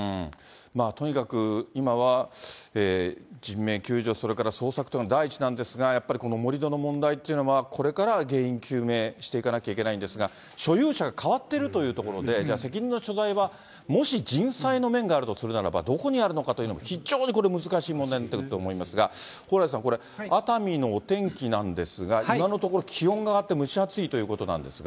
とにかく、今は人命救助、それから捜索というのが第一なんですが、やっぱりこの盛り土の問題というのは、これからは原因究明していかなきゃいけないんですが、所有者が代わっているというところで、じゃあ、責任の所在はもし人災の面があるとするならば、どこにあるのかというの、非常にこれ、難しい問題になってくると思いますが、蓬莱さん、これ、熱海のお天気なんですが、今のところ、気温が上がって蒸し暑いということなんですが。